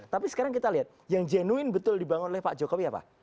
tapi sekarang kita lihat yang jenuin betul dibangun oleh pak jokowi apa